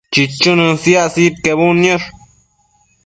chichunën siac sidquebudniosh